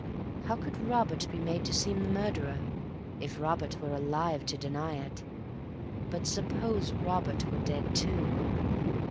How could Robert be made to seem the murderer, if Robert were alive to deny it? But suppose Robert were dead, too?